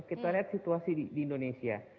kita lihat situasi di indonesia